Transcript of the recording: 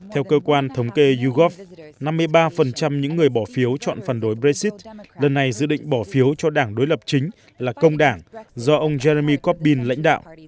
theo cơ quan thống kê yougov năm mươi ba những người bỏ phiếu chọn phản đối brexit lần này dự định bỏ phiếu cho đảng đối lập chính là công đảng do ông jeremy corbyn